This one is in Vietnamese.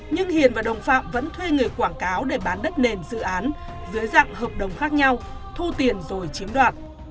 nhưng hiền và đồng phạm vẫn thuê người quảng cáo để bán đất nền dự án dưới dạng hợp đồng khác nhau thu tiền rồi chiếm đoạt